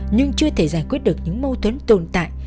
nhưng chưa thể giải quyết được những mâu thuẫn tồn tại